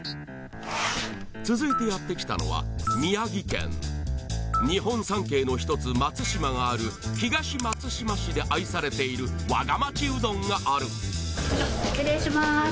続いてやって来たのは宮城県日本三景の一つ松島がある東松島市で愛されているわが町うどんがある失礼します。